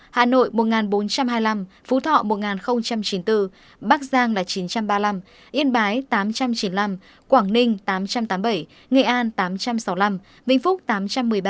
hà nội một bốn trăm hai mươi năm phú thọ một nghìn chín mươi bốn bắc giang là chín trăm ba mươi năm yên bái tám trăm chín mươi năm quảng ninh tám trăm tám mươi bảy nghệ an tám trăm sáu mươi năm vĩnh phúc tám trăm một mươi ba